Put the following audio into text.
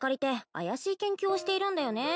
怪しい研究をしているんだよね